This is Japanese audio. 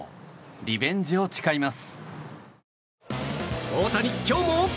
リベンジを誓います。